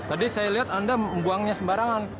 tadi saya lihat anda buangnya sembarangan